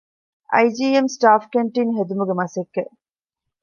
އައި.ޖީ.އެމް ސްޓާފް ކެންޓީން ހެދުމުގެ މަސައްކަތް